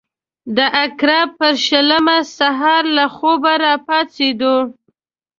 د عقرب پر شلمه سهار له خوبه راپاڅېدو.